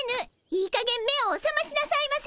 いいかげん目をおさましなさいませ！